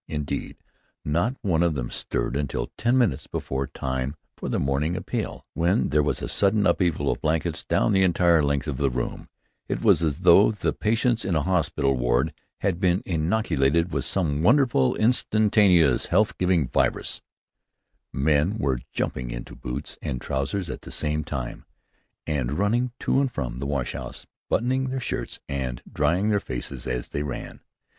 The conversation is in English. Indeed, not one of them stirred until ten minutes before time for the morning appel, when, there was a sudden upheaval of blankets down the entire length of the room. It was as though the patients in a hospital ward had been inoculated with some wonderful, instantaneous health giving virus. Men were jumping into boots and trousers at the same time, and running to and from the wash house, buttoning their shirts and drying their faces as they ran.